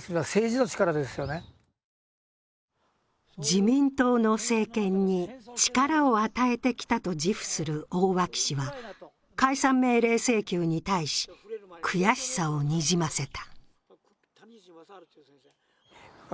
自民党の政権に力を与えてきたと自負する大脇氏は解散命令請求に対し、悔しさをにじませた。